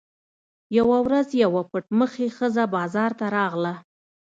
یوه ورځ یوه پټ مخې ښځه بازار ته راغله.